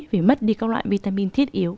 vì mất đi các loại vitamin thiết yếu